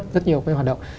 rất nhiều cái hoạt động